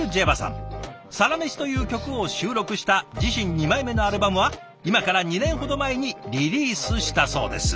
「サラメシ」という曲を収録した自身２枚目のアルバムは今から２年ほど前にリリースしたそうです。